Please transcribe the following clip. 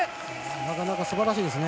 なかなかすばらしいですね。